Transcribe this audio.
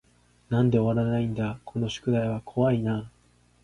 なんで終わらないだこの宿題は怖い y な